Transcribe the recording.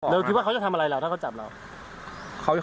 แล้วคิดว่าเขาจะทำอะไรแล้วถ้าเขาจับเรา